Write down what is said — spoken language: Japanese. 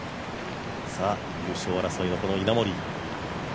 優勝争いの、この稲森。